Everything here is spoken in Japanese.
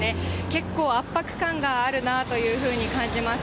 結構、圧迫感があるなというふうに感じます。